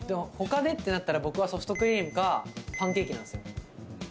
他でってなったら僕はソフトクリームかパンケーキなんですよ。